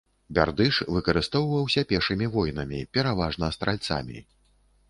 Бярдыш выкарыстоўваўся пешымі воінамі, пераважна стральцамі.